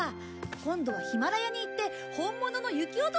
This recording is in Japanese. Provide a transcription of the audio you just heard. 今度はヒマラヤに行って本物の雪男を捕まえよう！